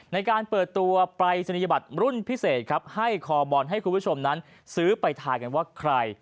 ในการเปิดตัวปรายศนียบัตรรุ่นพิเศษครับให้คอบอลให้คุณผู้ชมนั้นซื้อไปทายกันว่าใคร